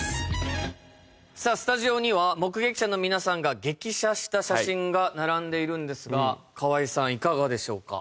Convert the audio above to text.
さあスタジオには目ゲキシャの皆さんが激写した写真が並んでいるんですが河合さんいかがでしょうか？